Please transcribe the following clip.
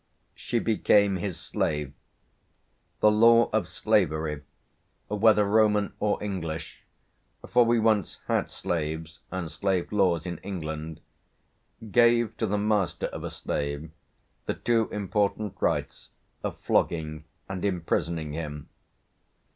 She became his slave. The law of slavery whether Roman or English for we once had slaves and slave laws in England gave to the master of a slave the two important rights of flogging and imprisoning him.